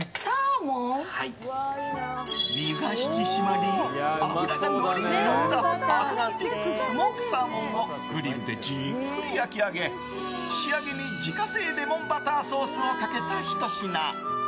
身は引き締まり脂がのりにのったアトランティックスモークサーモンをグリルでじっくり焼き上げ仕上げに自家製レモンバターソースをかけた一品。